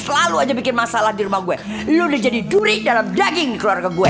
selalu aja bikin masalah di rumah gue lu udah jadi duri dalam daging keluarga gue